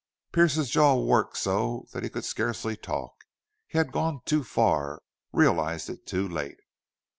Pearce's jaw worked so that he could scarcely talk. He had gone too far realized it too late.